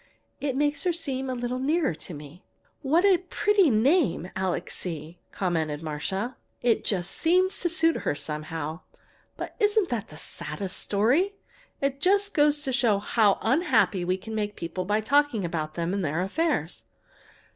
It makes me seem a little nearer to her." "What a pretty name Alixe!" commented Marcia. "It just seems to suit her, somehow. But isn't that the saddest story? It just goes to show how unhappy we can make people by talking about them and their affairs."